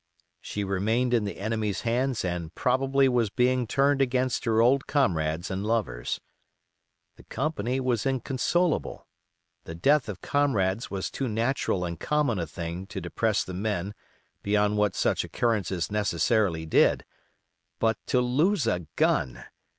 She remained in the enemy's hands and probably was being turned against her old comrades and lovers. The company was inconsolable. The death of comrades was too natural and common a thing to depress the men beyond what such occurrences necessarily did; but to lose a gun!